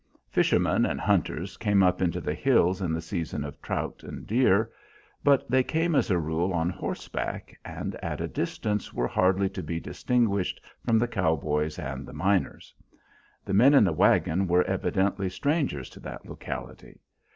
Fishermen and hunters came up into the hills in the season of trout and deer, but they came as a rule on horseback, and at a distance were hardly to be distinguished from the cow boys and the miners. The men in the wagon were evidently strangers to that locality.